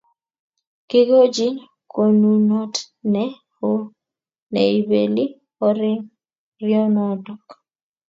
Kikochin konunot ne o neibeli ureryonotok